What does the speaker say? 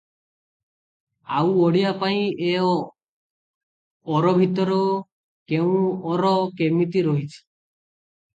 ଆଉ ଓଡ଼ିଆ ପାଇଁ ଏ ଅର ଭିତରୁ କେଉଁ ଅର କେମିତି ରହିଛି ।